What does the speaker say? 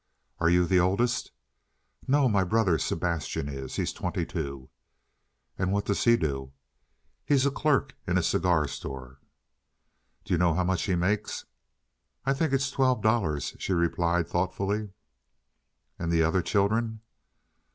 "Are you the oldest?" "No, my brother Sebastian is. He's twenty two." "And what does he do?" "He's a clerk in a cigar store." "Do you know how much he makes?" "I think it's twelve dollars," she replied thoughtfully. "And the other children?"